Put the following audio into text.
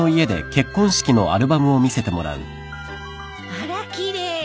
あら奇麗。